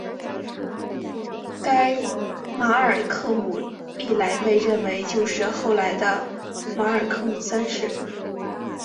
该马尔科姆历来被认为就是后来的马尔科姆三世。